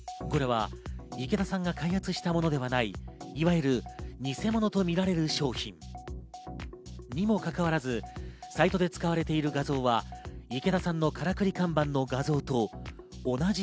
これは池田さんが開発したものではない、いわゆるニセモノとみられる商品。にもかかわらず、サイトで使われている画像は池田さんのからくり看板の画像と同じ